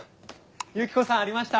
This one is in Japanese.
ユキコさんありました。